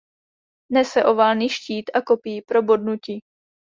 Nese oválný štít a kopí pro bodnutí.